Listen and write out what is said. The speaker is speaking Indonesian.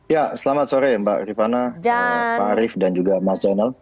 ya selamat sore mbak rifana pak arief dan juga mas zainal